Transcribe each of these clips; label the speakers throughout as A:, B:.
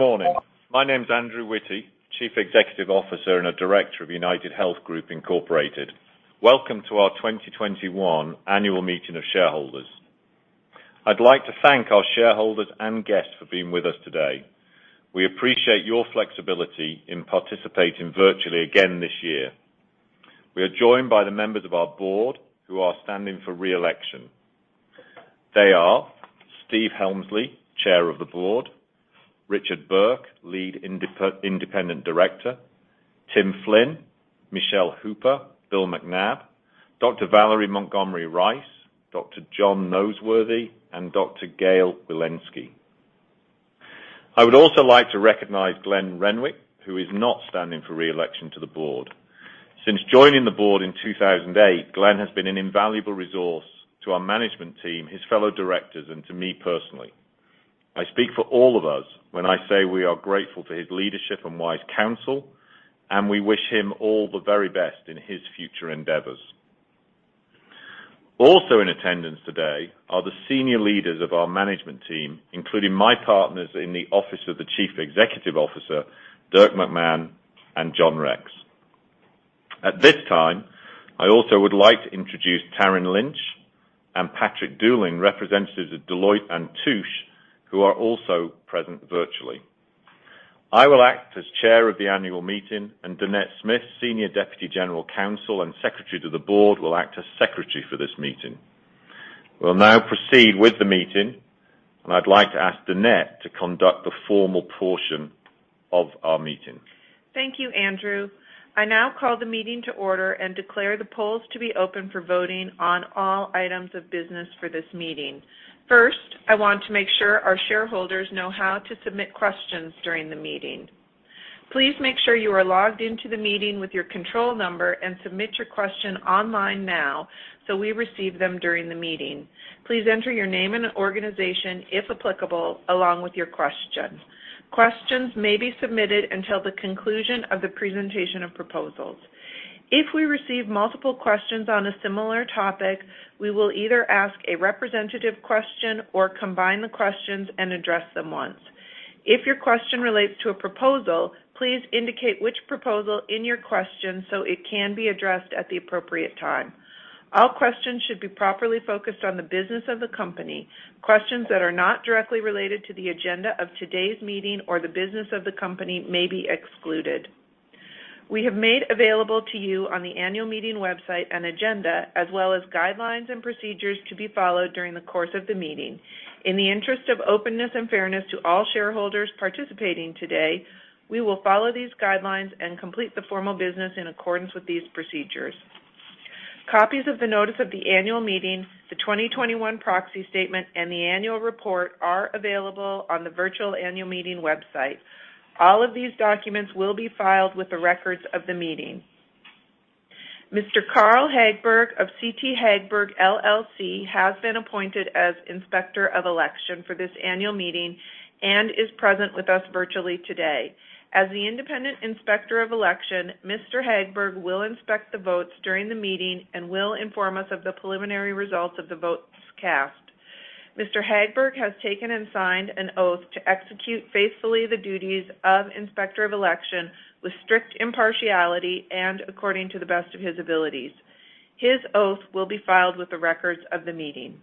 A: Good morning. My name is Andrew Witty, Chief Executive Officer and a Director of UnitedHealth Group Incorporated. Welcome to our 2021 annual meeting of shareholders. I'd like to thank our shareholders and guests for being with us today. We appreciate your flexibility in participating virtually again this year. We are joined by the members of our board who are standing for re-election. They are Stephen Hemsley, Chair of the Board, Richard Burke, Lead Independent Director, Timothy P. Flynn, Michele Hooper, Bill McNabb, Valerie Montgomery Rice, John H. Noseworthy, and Gail R. Wilensky. I would also like to recognize Glenn Renwick, who is not standing for re-election to the board. Since joining the board in 2008, Glenn has been an invaluable resource to our management team, his fellow directors, and to me personally. I speak for all of us when I say we are grateful for his leadership and wise counsel, and we wish him all the very best in his future endeavors. Also in attendance today are the senior leaders of our management team, including my partners in the Office of the Chief Executive Officer, Dirk McMahon and John Rex. At this time, I also would like to introduce Taryn Lynch and Patrick Dooling, representatives of Deloitte & Touche, who are also present virtually. I will act as Chair of the annual meeting, and Dannette Smith, Senior Deputy General Counsel and Secretary to the Board, will act as Secretary for this meeting. We will now proceed with the meeting, and I'd like to ask Dannette to conduct the formal portion of our meeting.
B: Thank you, Andrew. I now call the meeting to order and declare the polls to be open for voting on all items of business for this meeting. First, I want to make sure our shareholders know how to submit questions during the meeting. Please make sure you are logged into the meeting with your control number and submit your question online now so we receive them during the meeting. Please enter your name and organization, if applicable, along with your question. Questions may be submitted until the conclusion of the presentation of proposals. If we receive multiple questions on a similar topic, we will either ask a representative question or combine the questions and address them once. If your question relates to a proposal, please indicate which proposal in your question so it can be addressed at the appropriate time. All questions should be properly focused on the business of the company. Questions that are not directly related to the agenda of today's meeting or the business of the company may be excluded. We have made available to you on the annual meeting website an agenda, as well as guidelines and procedures to be followed during the course of the meeting. In the interest of openness and fairness to all shareholders participating today, we will follow these guidelines and complete the formal business in accordance with these procedures. Copies of the notice of the annual meeting, the 2021 proxy statement, and the annual report are available on the virtual annual meeting website. All of these documents will be filed with the records of the meeting. Mr. Carl Hagberg of CT Hagberg LLC has been appointed as Inspector of Election for this annual meeting and is present with us virtually today. As the independent Inspector of Election, Mr. Hagberg will inspect the votes during the meeting and will inform us of the preliminary results of the votes cast. Mr. Hagberg has taken and signed an oath to execute faithfully the duties of Inspector of Election with strict impartiality and according to the best of his abilities. His oath will be filed with the records of the meeting.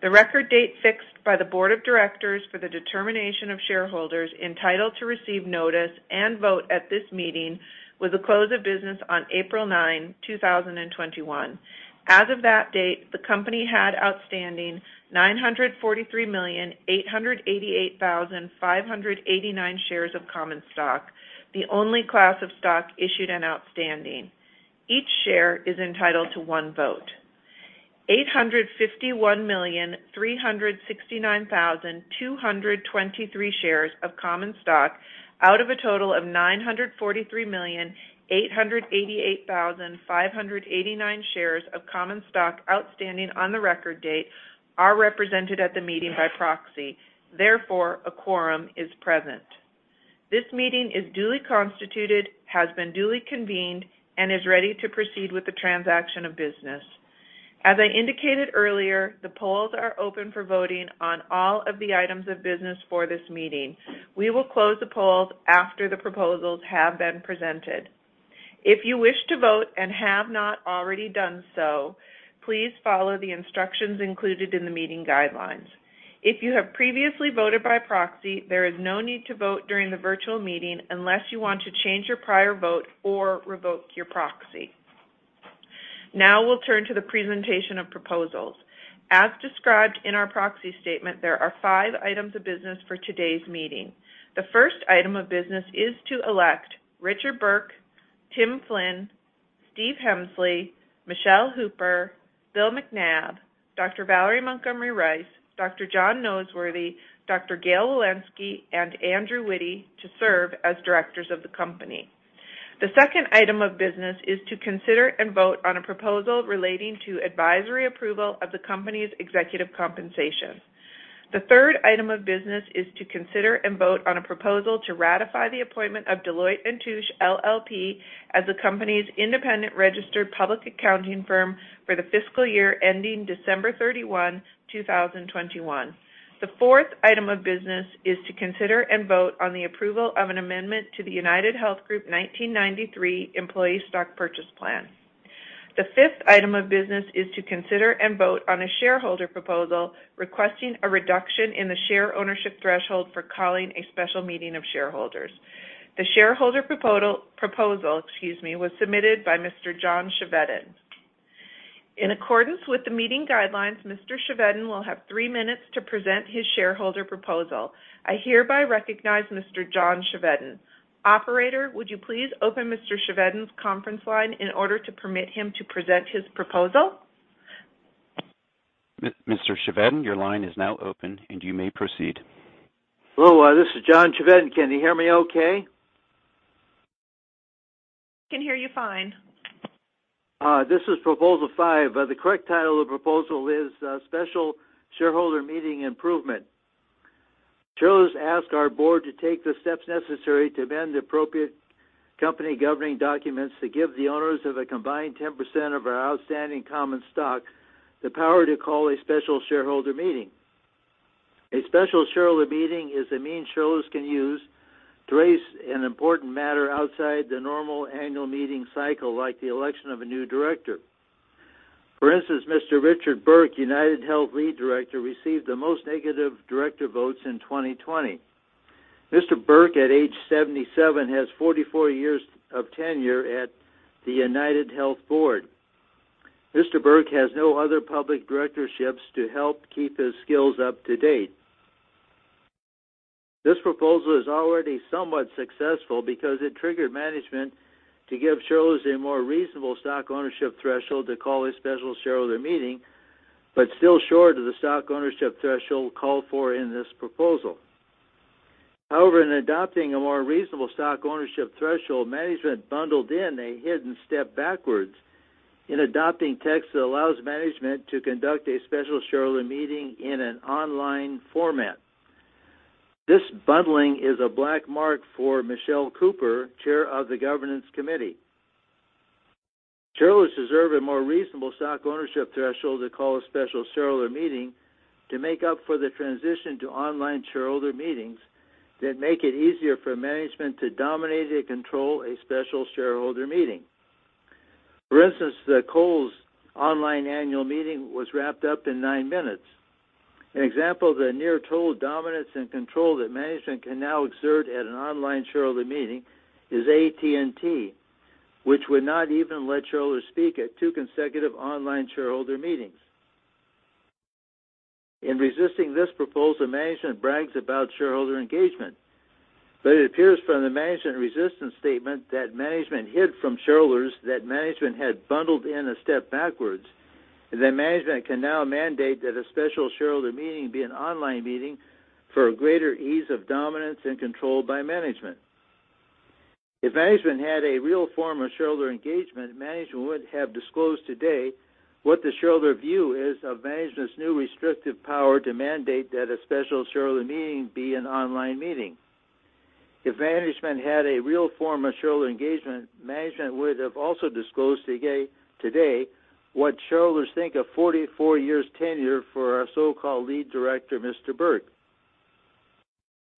B: The record date fixed by the Board of Directors for the determination of shareholders entitled to receive notice and vote at this meeting was the close of business on April 9, 2021. As of that date, the company had outstanding 943,888,589 shares of common stock, the only class of stock issued and outstanding. Each share is entitled to one vote. 851,369,223 shares of common stock out of a total of 943,888,589 shares of common stock outstanding on the record date are represented at the meeting by proxy. Therefore, a quorum is present. This meeting is duly constituted, has been duly convened, and is ready to proceed with the transaction of business. As I indicated earlier, the polls are open for voting on all of the items of business for this meeting. We will close the polls after the proposals have been presented. If you wish to vote and have not already done so, please follow the instructions included in the meeting guidelines. If you have previously voted by proxy, there is no need to vote during the virtual meeting unless you want to change your prior vote or revoke your proxy. We'll turn to the presentation of proposals. As described in our proxy statement, there are five items of business for today's meeting. The first item of business is to elect Richard Burke, Tim Flynn, Stephen Hemsley, Michele Hooper, Bill McNabb, Dr. Valerie Montgomery Rice, Dr. John Noseworthy, Dr. Gail Wilensky, and Andrew Witty to serve as directors of the company. The second item of business is to consider and vote on a proposal relating to advisory approval of the company's executive compensation. The third item of business is to consider and vote on a proposal to ratify the appointment of Deloitte & Touche LLP as the company's independent registered public accounting firm for the fiscal year ending December 31, 2021. The fourth item of business is to consider and vote on the approval of an amendment to the UnitedHealth Group 1993 Employee Stock Purchase Plan. The fifth item of business is to consider and vote on a shareholder proposal requesting a reduction in the share ownership threshold for calling a special meeting of shareholders. The shareholder proposal was submitted by Mr. John Chevedden. In accordance with the meeting guidelines, Mr. Chevedden will have three minutes to present his shareholder proposal. I hereby recognize Mr. John Chevedden. Operator, would you please open Mr. Chevedden's conference line in order to permit him to present his proposal?
C: Mr. Chevedden, your line is now open and you may proceed.
D: Hello, this is John Chevedden. Can you hear me okay?
B: Can hear you fine.
D: This is proposal five. The correct title of the proposal is Special Shareholder Meeting Improvement. Shareholders ask our board to take the steps necessary to amend appropriate company governing documents to give the owners of a combined 10% of our outstanding common stock the power to call a special shareholder meeting. A special shareholder meeting is a means shareholders can use to raise an important matter outside the normal annual meeting cycle, like the election of a new director. For instance, Mr. Richard T. Burke, UnitedHealth Group Lead Independent Director, received the most negative director votes in 2020. Mr. Burke, at age 77, has 44 years of tenure at the UnitedHealth Group Board. Mr. Burke has no other public directorships to help keep his skills up to date. This proposal is already somewhat successful because it triggered management to give shareholders a more reasonable stock ownership threshold to call a special shareholder meeting, but still short of the stock ownership threshold called for in this proposal. In adopting a more reasonable stock ownership threshold, management bundled in a hidden step backwards in adopting text that allows management to conduct a special shareholder meeting in an online format. This bundling is a black mark for Michele Hooper, chair of the governance committee. Shareholders deserve a more reasonable stock ownership threshold to call a special shareholder meeting to make up for the transition to online shareholder meetings that make it easier for management to dominate and control a special shareholder meeting. The Kohl's online annual meeting was wrapped up in nine minutes. An example of the near total dominance and control that management can now exert at an online shareholder meeting is AT&T, which would not even let shareholders speak at two consecutive online shareholder meetings. In resisting this proposal, management brags about shareholder engagement. It appears from the management resistance statement that management hid from shareholders that management had bundled in a step backwards, and that management can now mandate that a special shareholder meeting be an online meeting for a greater ease of dominance and control by management. If management had a real form of shareholder engagement, management would have disclosed today what the shareholder view is of management's new restrictive power to mandate that a special shareholder meeting be an online meeting. If management had a real form of shareholder engagement, management would have also disclosed today what shareholders think of 44 years tenure for our so-called lead director, Mr. Burke.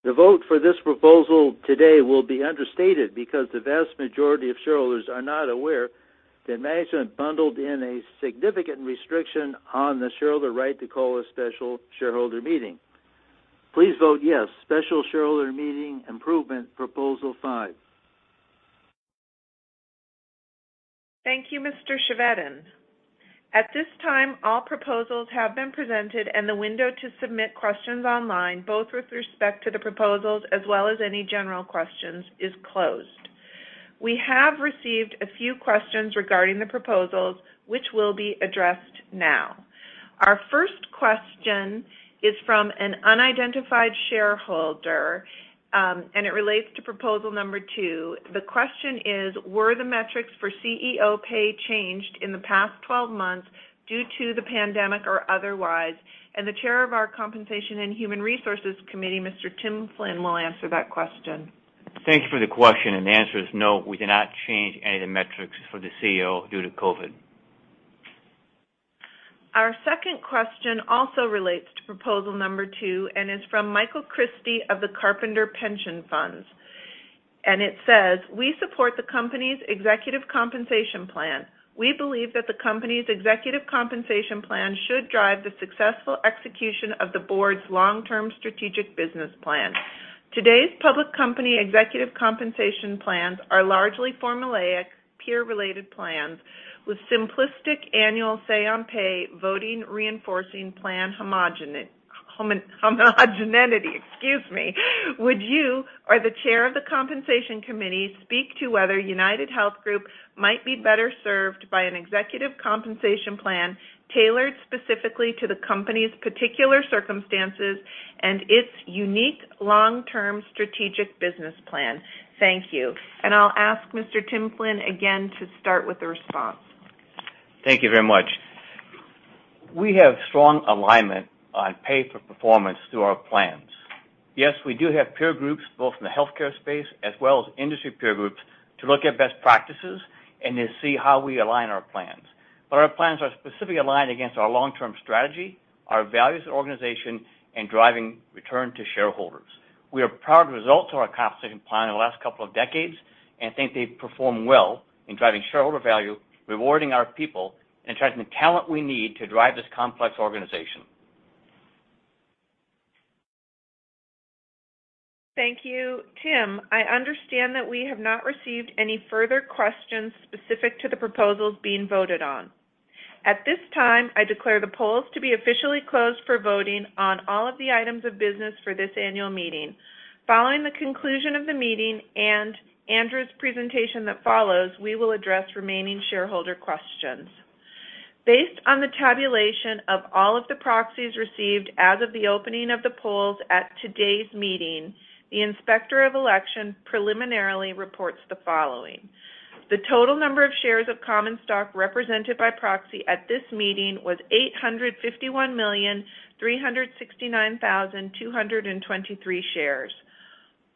D: The vote for this proposal today will be understated because the vast majority of shareholders are not aware that management bundled in a significant restriction on the shareholder right to call a special shareholder meeting. Please vote yes. Special shareholder meeting improvement, proposal five.
B: Thank you, Mr. Chevedden. At this time, all proposals have been presented and the window to submit questions online, both with respect to the proposals as well as any general questions, is closed. We have received a few questions regarding the proposals, which will be addressed now. Our first question is from an unidentified shareholder, and it relates to proposal number two. The question is, "Were the metrics for CEO pay changed in the past 12 months due to the pandemic or otherwise?" The chair of our Compensation and Human Resources Committee, Mr. Tim Flynn, will answer that question.
E: Thanks for the question. The answer is no, we did not change any metrics for the CEO due to COVID.
B: Our second question also relates to proposal number two and is from Michael Christie of the Carpenter Pension Funds. It says, "We support the company's executive compensation plan. We believe that the company's executive compensation plan should drive the successful execution of the board's long-term strategic business plan. Today's public company executive compensation plans are largely formulaic, peer-related plans with simplistic annual say-on-pay voting reinforcing plan homogeneity." Excuse me. "Would you or the chair of the Compensation Committee speak to whether UnitedHealth Group might be better served by an executive compensation plan tailored specifically to the company's particular circumstances and its unique long-term strategic business plan? Thank you." I'll ask Mr. Tim Flynn again to start with the response.
E: Thank you very much. We have strong alignment on pay for performance through our plans. Yes, we do have peer groups, both in the healthcare space as well as industry peer groups, to look at best practices and to see how we align our plans. Our plans are specifically aligned against our long-term strategy, our values as an organization, and driving return to shareholders. We are proud of the results of our compensation plan in the last couple of decades and think they've performed well in driving shareholder value, rewarding our people, and attracting the talent we need to drive this complex organization.
B: Thank you, Tim. I understand that we have not received any further questions specific to the proposals being voted on. At this time, I declare the polls to be officially closed for voting on all of the items of business for this annual meeting. Following the conclusion of the meeting and Andrew's presentation that follows, we will address remaining shareholder questions. Based on the tabulation of all of the proxies received as of the opening of the polls at today's meeting, the Inspector of Election preliminarily reports the following. The total number of shares of common stock represented by proxy at this meeting was 851,369,223 shares.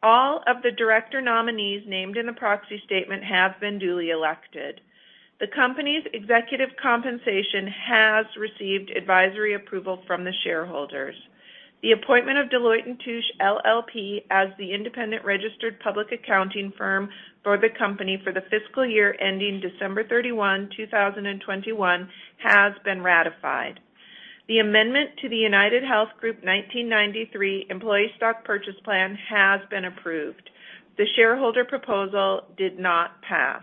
B: All of the director nominees named in the proxy statement have been duly elected. The company's executive compensation has received advisory approval from the shareholders. The appointment of Deloitte & Touche LLP as the independent registered public accounting firm for the company for the fiscal year ending December 31, 2021, has been ratified. The amendment to the UnitedHealth Group 1993 Employee Stock Purchase Plan has been approved. The shareholder proposal did not pass.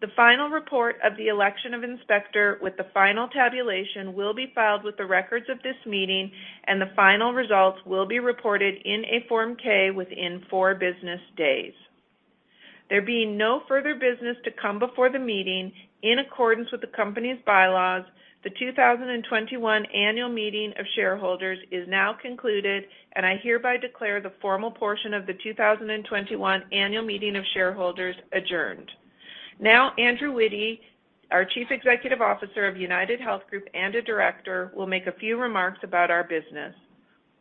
B: The final report of the election of inspector with the final tabulation will be filed with the records of this meeting, and the final results will be reported in a Form 8-K within four business days. There being no further business to come before the meeting, in accordance with the company's bylaws, the 2021 Annual Meeting of Shareholders is now concluded, and I hereby declare the formal portion of the 2021 Annual Meeting of Shareholders adjourned. Andrew Witty, our Chief Executive Officer of UnitedHealth Group and a director, will make a few remarks about our business.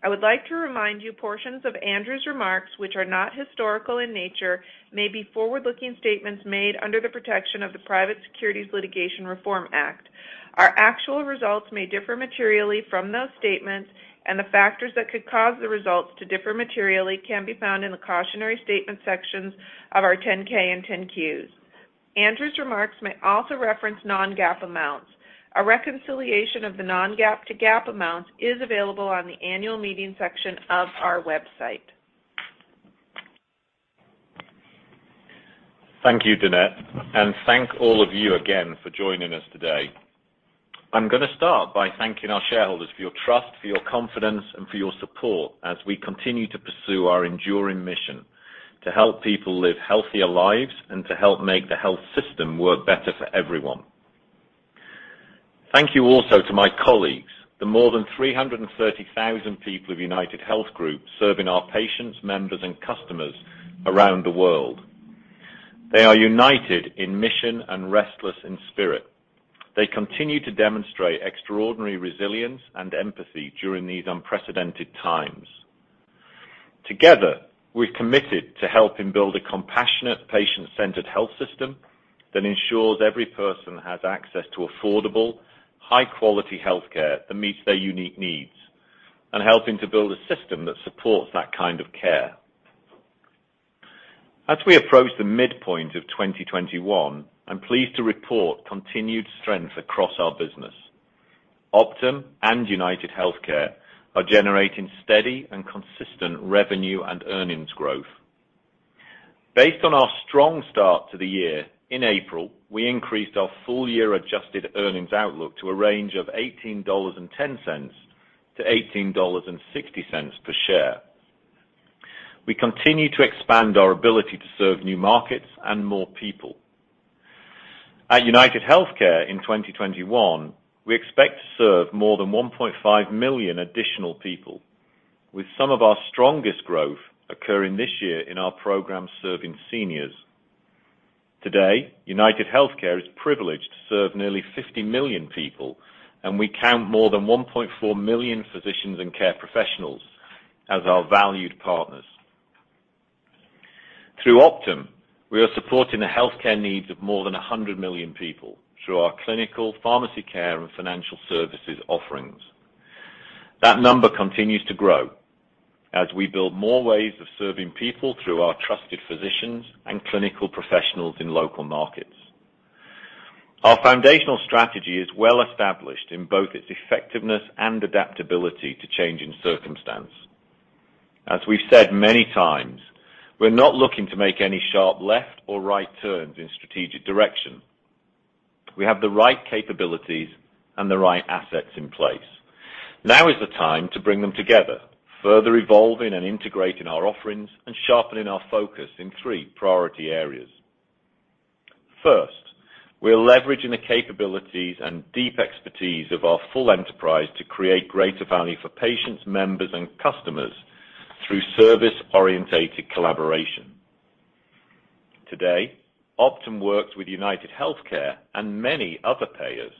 B: I would like to remind you portions of Andrew's remarks, which are not historical in nature, may be forward-looking statements made under the protection of the Private Securities Litigation Reform Act. Our actual results may differ materially from those statements, and the factors that could cause the results to differ materially can be found in the cautionary statement sections of our 10-K and 10-Qs. Andrew's remarks may also reference non-GAAP amounts. A reconciliation of the non-GAAP to GAAP amounts is available on the annual meeting section of our website.
A: Thank you, Dannette, thank all of you again for joining us today. I'm going to start by thanking our shareholders for your trust, for your confidence, and for your support as we continue to pursue our enduring mission to help people live healthier lives and to help make the health system work better for everyone. Thank you also to my colleagues, the more than 330,000 people of UnitedHealth Group serving our patients, members, and customers around the world. They are united in mission and restless in spirit. They continue to demonstrate extraordinary resilience and empathy during these unprecedented times. Together, we're committed to helping build a compassionate, patient-centered health system that ensures every person has access to affordable, high-quality healthcare that meets their unique needs, and helping to build a system that supports that kind of care. As we approach the midpoint of 2021, I'm pleased to report continued strength across our business. Optum and UnitedHealthcare are generating steady and consistent revenue and earnings growth. Based on our strong start to the year, in April, we increased our full-year adjusted earnings outlook to a range of $18.10-$18.60 per share. We continue to expand our ability to serve new markets and more people. At UnitedHealthcare in 2021, we expect to serve more than 1.5 million additional people, with some of our strongest growth occurring this year in our programs serving seniors. Today, UnitedHealthcare is privileged to serve nearly 50 million people, and we count more than 1.4 million physicians and care professionals as our valued partners. Through Optum, we are supporting the healthcare needs of more than 100 million people through our clinical pharmacy care and financial services offerings. That number continues to grow as we build more ways of serving people through our trusted physicians and clinical professionals in local markets. Our foundational strategy is well established in both its effectiveness and adaptability to changing circumstance. As we've said many times, we're not looking to make any sharp left or right turns in strategic direction. We have the right capabilities and the right assets in place. Now is the time to bring them together, further evolving and integrating our offerings and sharpening our focus in three priority areas. First, we are leveraging the capabilities and deep expertise of our full enterprise to create greater value for patients, members, and customers through service orientated collaboration. Today, Optum works with UnitedHealthcare and many other payers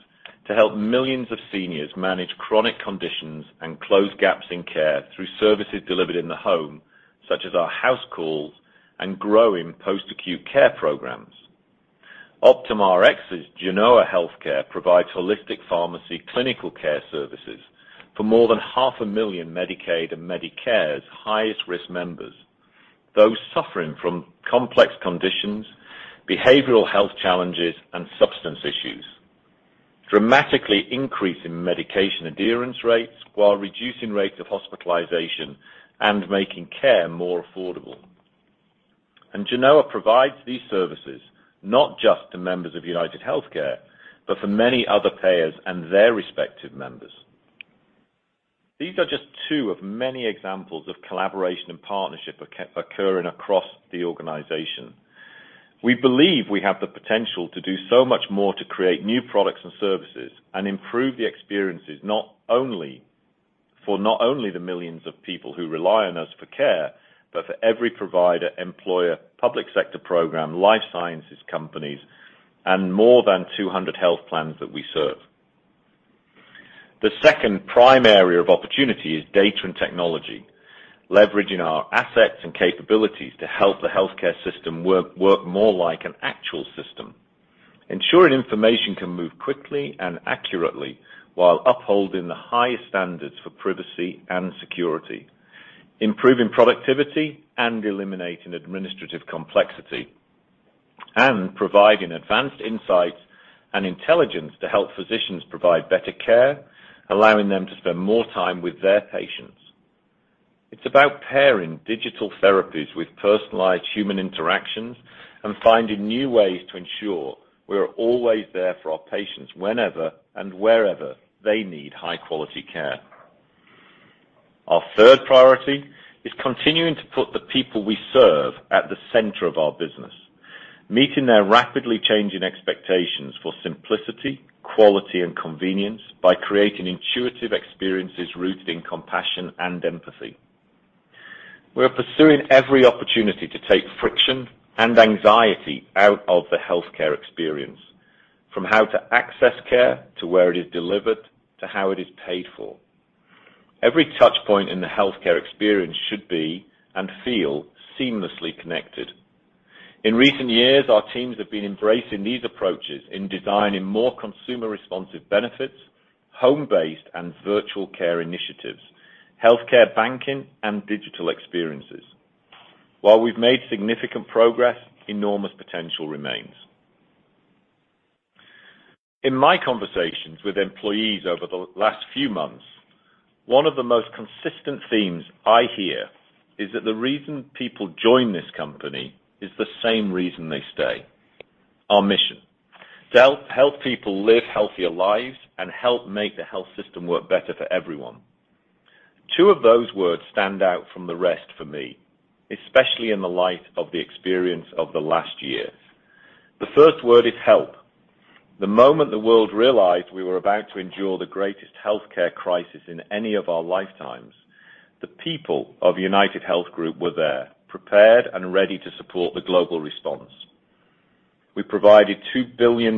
A: to help millions of seniors manage chronic conditions and close gaps in care through services delivered in the home, such as our HouseCalls and growing post-acute care programs. OptumRx's Genoa Healthcare provides holistic pharmacy clinical care services for more than half a million Medicaid and Medicare's highest-risk members, those suffering from complex conditions, behavioral health challenges, and substance issues, dramatically increasing medication adherence rates while reducing rates of hospitalization and making care more affordable. Genoa provides these services not just to members of UnitedHealthcare, but for many other payers and their respective members. We believe we have the potential to do so much more to create new products and services and improve the experiences for not only the millions of people who rely on us for care, but for every provider, employer, public sector program, life sciences companies, and more than 200 health plans that we serve. The second prime area of opportunity is data and technology, leveraging our assets and capabilities to help the healthcare system work more like an actual system, ensuring information can move quickly and accurately while upholding the highest standards for privacy and security, improving productivity and eliminating administrative complexity, and providing advanced insights and intelligence to help physicians provide better care, allowing them to spend more time with their patients. It's about pairing digital therapies with personalized human interactions and finding new ways to ensure we're always there for our patients whenever and wherever they need high-quality care. Our third priority is continuing to put the people we serve at the center of our business, meeting their rapidly changing expectations for simplicity, quality, and convenience by creating intuitive experiences rooted in compassion and empathy. We are pursuing every opportunity to take friction and anxiety out of the healthcare experience, from how to access care, to where it is delivered, to how it is paid for. Every touchpoint in the healthcare experience should be and feel seamlessly connected. In recent years, our teams have been embracing these approaches in designing more consumer-responsive benefits, home-based and virtual care initiatives, healthcare banking, and digital experiences. While we've made significant progress, enormous potential remains. In my conversations with employees over the last few months, one of the most consistent themes I hear is that the reason people join this company is the same reason they stay: our mission. To help people live healthier lives and help make the health system work better for everyone. Two of those words stand out from the rest for me, especially in the light of the experience of the last year. The first word is help. The moment the world realized we were about to endure the greatest healthcare crisis in any of our lifetimes, the people of UnitedHealth Group were there, prepared and ready to support the global response. We provided $2 billion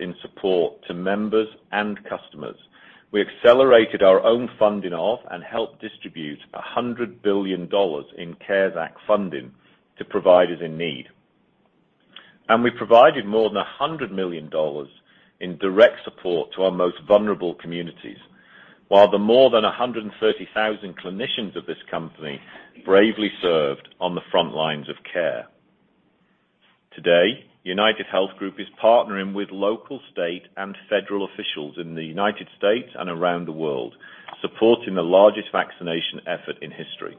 A: in support to members and customers. We accelerated our own funding and helped distribute $100 billion in CARES Act funding to providers in need. We provided more than $100 million in direct support to our most vulnerable communities, while the more than 130,000 clinicians of this company bravely served on the front lines of care. Today, UnitedHealth Group is partnering with local, state, and federal officials in the United States and around the world, supporting the largest vaccination effort in history.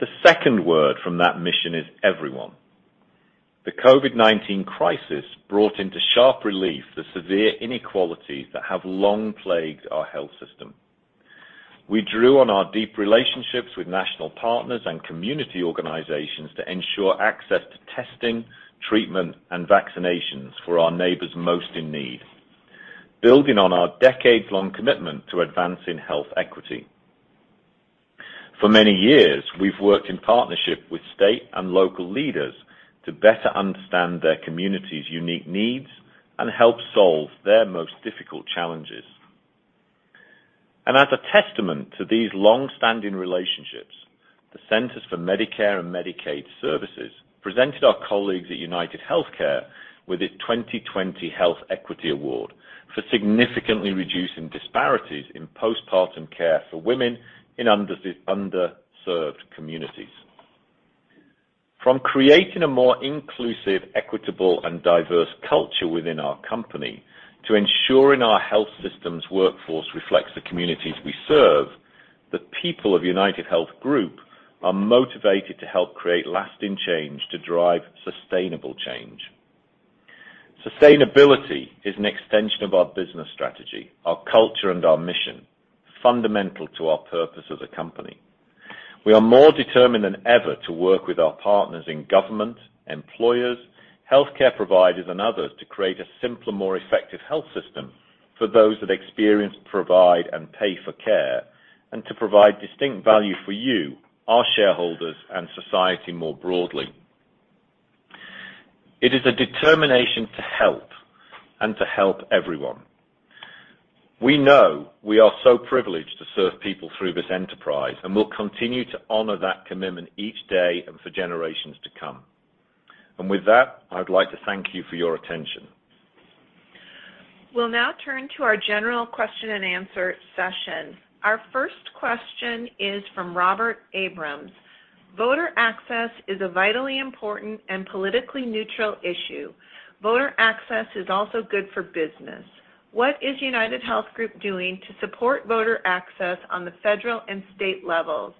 A: The second word from that mission is everyone. The COVID-19 crisis brought into sharp relief the severe inequalities that have long plagued our health system. We drew on our deep relationships with national partners and community organizations to ensure access to testing, treatment, and vaccinations for our neighbors most in need, building on our decades-long commitment to advancing health equity. For many years, we've worked in partnership with state and local leaders to better understand their communities' unique needs and help solve their most difficult challenges. As a testament to these longstanding relationships, the Centers for Medicare & Medicaid Services presented our colleagues at UnitedHealthcare with its 2020 Health Equity Award for significantly reducing disparities in postpartum care for women in underserved communities. From creating a more inclusive, equitable, and diverse culture within our company to ensuring our health systems workforce reflects the communities we serve, the people of UnitedHealth Group are motivated to help create lasting change to drive sustainable change. Sustainability is an extension of our business strategy, our culture, and our mission, fundamental to our purpose as a company. We are more determined than ever to work with our partners in government, employers, healthcare providers, and others to create a simpler, more effective health system for those that experience, provide, and pay for care. To provide distinct value for you, our shareholders, and society more broadly. It is a determination to help and to help everyone. We know we are so privileged to serve people through this enterprise, and we'll continue to honor that commitment each day and for generations to come. With that, I would like to thank you for your attention.
B: We'll now turn to our general question and answer session. Our first question is from Robert Abrams. "Voter access is a vitally important and politically neutral issue. Voter access is also good for business. What is UnitedHealth Group doing to support voter access on the federal and state levels?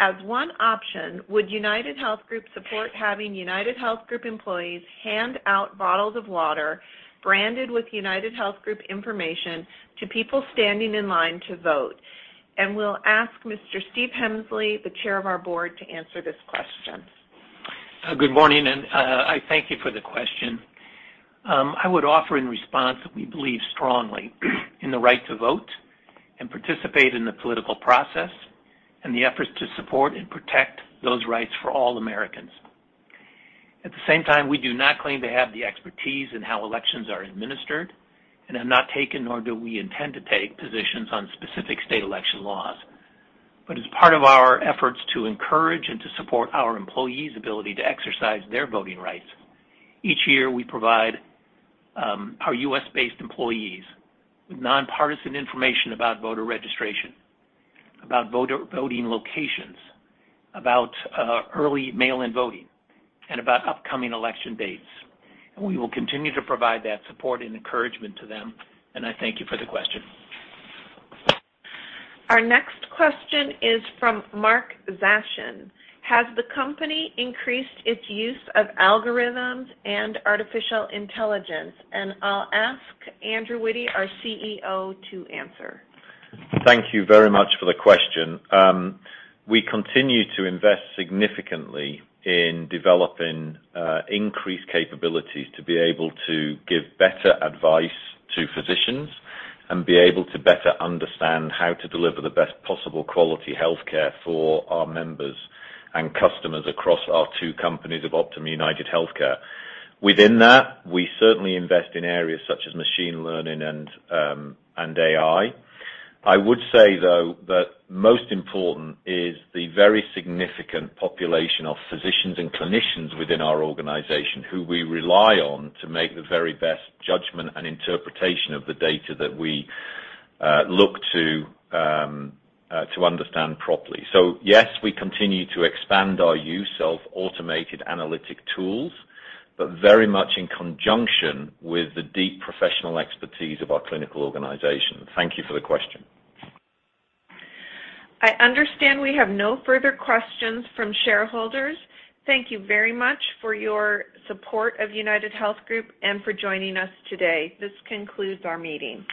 B: As one option, would UnitedHealth Group support having UnitedHealth Group employees hand out bottles of water branded with UnitedHealth Group information to people standing in line to vote?" We'll ask Mr. Stephen Hemsley, the Chair of our Board, to answer this question.
F: Good morning. I thank you for the question. I would offer in response that we believe strongly in the right to vote and participate in the political process and the efforts to support and protect those rights for all Americans. At the same time, we do not claim to have the expertise in how elections are administered and have not taken, nor do we intend to take, positions on specific state election laws. As part of our efforts to encourage and to support our employees' ability to exercise their voting rights, each year, we provide our U.S.-based employees with nonpartisan information about voter registration, about voting locations, about early mail-in voting, and about upcoming election dates. We will continue to provide that support and encouragement to them, and I thank you for the question.
B: Our next question is from Mark Zashen. "Has the company increased its use of algorithms and artificial intelligence?" I'll ask Andrew Witty, our CEO, to answer.
A: Thank you very much for the question. We continue to invest significantly in developing increased capabilities to be able to give better advice to physicians and be able to better understand how to deliver the best possible quality healthcare for our members and customers across our two companies of Optum UnitedHealthcare. Within that, we certainly invest in areas such as machine learning and AI. I would say, though, that most important is the very significant population of physicians and clinicians within our organization who we rely on to make the very best judgment and interpretation of the data that we look to understand properly. Yes, we continue to expand our use of automated analytic tools, but very much in conjunction with the deep professional expertise of our clinical organization. Thank you for the question.
B: I understand we have no further questions from shareholders. Thank you very much for your support of UnitedHealth Group and for joining us today. This concludes our meeting.